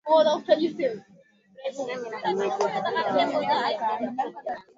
oka keki yako mpaka iwe rangi ya kahawia